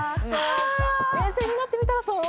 冷静になってみたらそう。